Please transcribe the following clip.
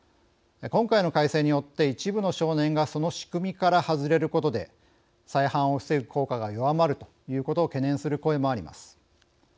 今回の改正によって一部の少年がその仕組みから外れることで再犯を防ぐ効果が弱まるということを懸念する声もあります。